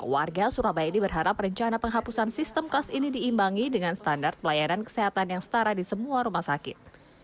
warga surabaya ini berharap rencana penghapusan sistem kelas ini diimbangi dengan standar pelayanan kesehatan yang setara di semua rumah sakit